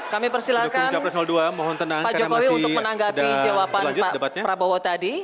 kami persilahkan pak jokowi untuk menanggapi jawaban pak prabowo tadi